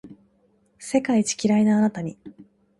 世界一キライなあなたに